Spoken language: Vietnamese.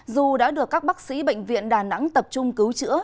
dù đã được các bác sĩ bệnh viện đà nẵng tập trung cứu chữa